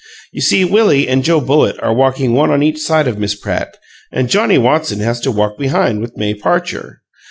You see Willie and Joe Bullitt are walking one on each side of Miss Pratt, and Johnnie Watson has to walk behind with May Parcher.